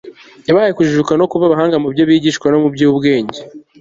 yabahaye kujijuka no kuba abahanga mu byo bigishwa no mu by'ubwenge